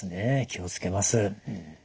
気を付けます。